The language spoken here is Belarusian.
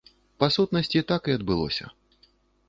Па сутнасці, так і адбылося.